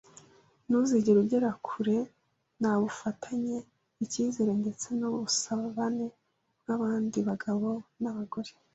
Ntuzigera ugera kure nta bufatanye, icyizere ndetse nubusabane bwabandi bagabo nabagore.